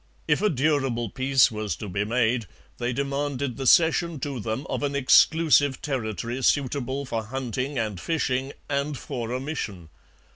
If a durable peace was to be made, they demanded the cession to them of an exclusive territory suitable for hunting and fishing and for a mission.